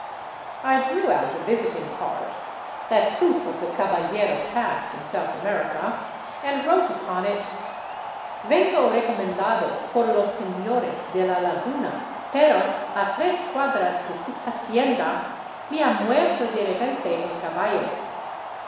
I drew out a visiting card, that proof of the caballero caste in South America, and wrote upon it: "Vengo recomendado por los sefiores de La Laguna, pero a *tres cuadras de su hacienda me ha muerto de repente el caballo.